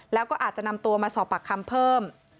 แล้วก็อาจจะนำตัวมาสอบปากคำเพิ่ม